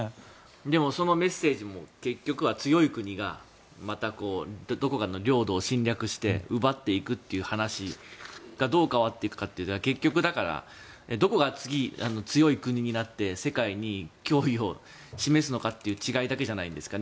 でも、そのメッセージも結局は強い国がまたどこかの領土を侵略して奪っていくという話がどう変わっていくか結局、どこが次、強い国になって世界に脅威を示すのかという違いだけじゃないですかね。